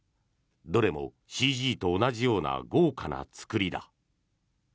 どれもＣＧと同じような豪華な作りだ。